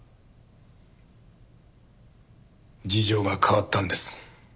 事情が変わったんです。